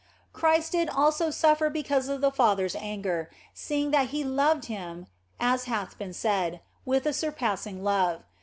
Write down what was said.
Christ did also suffer because of the Father s anger, seeing that He loved Him (as hath been said) with a sur passing love.